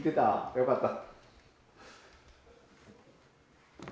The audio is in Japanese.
よかった。